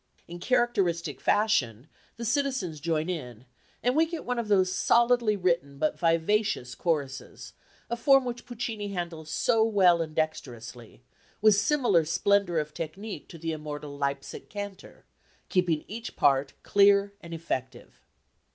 In characteristic fashion, the citizens join in, and we get one of those solidly written but vivacious choruses, a form which Puccini handles so well and dexterously, with similar splendour of technic to the immortal Leipsic Cantor, keeping each part clear and effective.